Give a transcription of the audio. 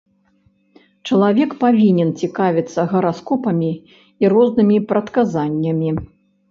Чалавек павінен цікавіцца гараскопамі і рознымі прадказаннямі.